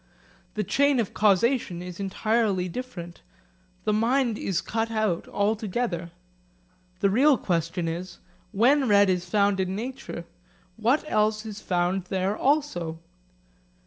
The chain of causation is entirely different. The mind is cut out altogether. The real question is, When red is found in nature, what else is found there also?